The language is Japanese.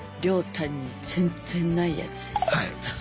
亮太に全然ないやつです。